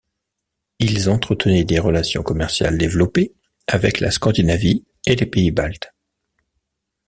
Ils entretenaient des relations commerciales développées avec la Scandinavie et les Pays baltes.